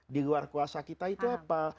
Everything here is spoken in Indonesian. di luar kuasa kita itu apa